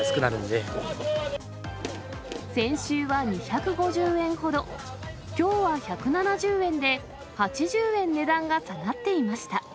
先週は２５０円ほど、きょうは１７０円で、８０円値段が下がっていました。